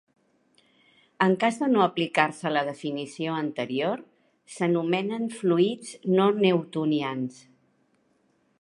En cas de no aplicar-se la definició anterior, s'anomenen fluids no newtonians.